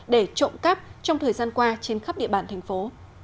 để trộm cắp trong thời gian qua trên khắp địa bàn thành phố